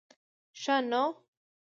ښه نو.